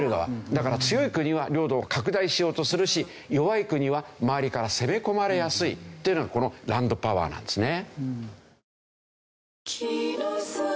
だから強い国は領土を拡大しようとするし弱い国は周りから攻め込まれやすいっていうのがこのランドパワーなんですね。